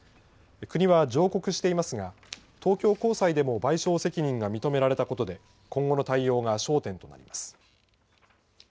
国は上告していますが東京高裁でも賠償責任が認められたことで今後の対応が焦点となります。